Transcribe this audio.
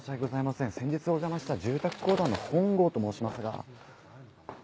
先日お邪魔した住宅公団の本郷と申しますが。